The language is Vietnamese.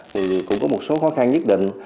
thì cũng có một số khó khăn nhất định